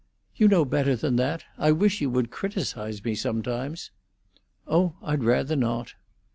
"You know better than that. I wish you would criticise me sometimes." "Oh, I'd rather not."